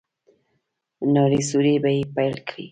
نارې سورې يې پيل کړې.